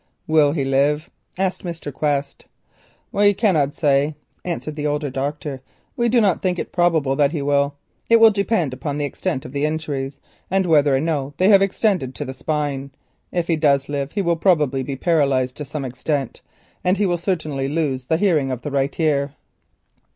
"Will he live?" asked Mr. Quest. "We cannot say," answered the older doctor. "We do not think it likely that he will. It depends upon the extent of his injuries, and whether or no they have extended to the spine. If he does live he will probably be paralysed to some extent, and must certainly lose the hearing of the right ear."